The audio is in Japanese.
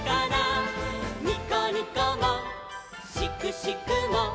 「にこにこもしくしくも」